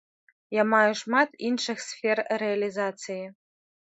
Я маю шмат іншых сфер рэалізацыі.